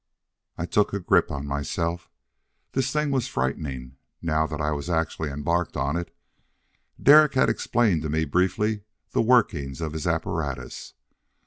I took a grip on myself. This thing was frightening, now that I actually was embarked on it. Derek had explained to me briefly the workings of his apparatus.